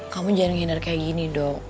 kamu jangan nginer kayak gini dong